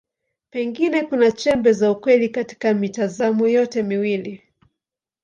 Pengine kuna chembe za ukweli katika mitazamo yote miwili.